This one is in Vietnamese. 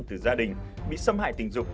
từ gia đình bị xâm hại tình dục